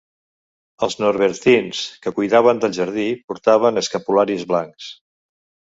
Els norbertins que cuidaven del jardí portaven escapularis blancs.